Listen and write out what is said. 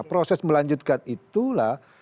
proses melanjutkan itulah